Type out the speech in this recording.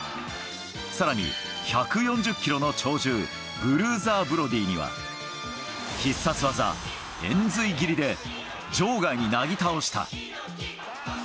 さらに１４０キロの超獣、ブルーザー・ブロディには、必殺技、延髄斬りで場外になぎ倒した。